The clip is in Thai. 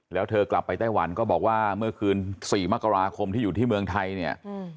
แล้วเธอกลับไปไต้หวันก็บอกว่าเมื่อคืน๔มกราคมที่อยู่ที่เมืองไทยเนี่ย